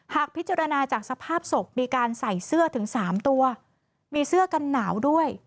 หากพิจารณาจากสภาพศพมีการใส่เสื้อถึง๓ตัวมีเสื้อกันหนาวด้วย